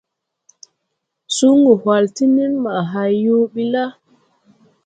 Sungu whal ti nenmaʼa hay yõõ bi la.